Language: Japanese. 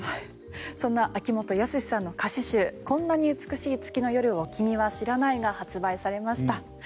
そんな秋元康さんの歌詞集「こんなに美しい月の夜を君は知らない」が発売されました。